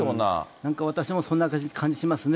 なんか私もそんな感じしますね。